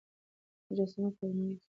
مجسمه په المارۍ کې کېږدئ.